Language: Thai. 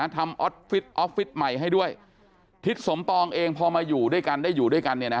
ออฟฟิศออฟฟิศใหม่ให้ด้วยทิศสมปองเองพอมาอยู่ด้วยกันได้อยู่ด้วยกันเนี่ยนะ